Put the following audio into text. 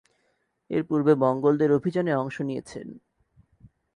এর পূর্বে মঙ্গোলদের অভিযানে অংশ নিয়েছেন।